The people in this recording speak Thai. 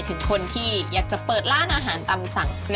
ถึงคนที่อยากจะเปิดร้านอาหารตำสั่ง